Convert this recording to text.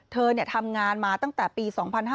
เธอเนี่ยทำงานมาตั้งแต่ปี๒๕๖๓